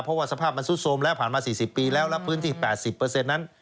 เพราะว่าสภาพมันซุดโทรมแล้วผ่านมา๔๐ปีแล้วแล้วพื้นที่๘๐นั้น